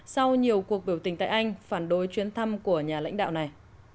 sau nhiều cuộc biểu tình tại anh phản đối chuyến thăm của nhà lãnh đạo này